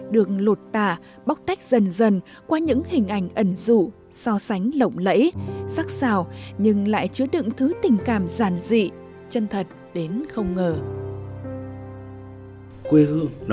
được lột tả bóc tách dần dần qua những hình ảnh ẩn dụ so sánh lộng lẫy sắc xào nhưng lại chứa đựng thứ tình cảm giản dị chân thật đến không ngờ